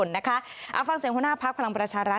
แล้วที่สำคัญยืนยันไปว่าภักดิ์พลังประชารัฐ